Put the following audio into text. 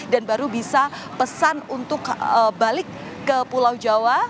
dan baru bisa pesan untuk balik ke pulau jawa